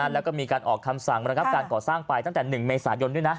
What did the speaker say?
แล้วก็มีการออกคำสั่งระงับการก่อสร้างไปตั้งแต่๑เมษายนด้วยนะ